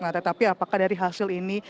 nah tetapi apakah dari hasil ini